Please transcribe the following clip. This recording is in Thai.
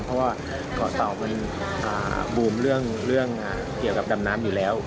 เพราะว่าเกาะเตามันบูมเรื่องเกี่ยวกับดำน้ำอยู่แล้ว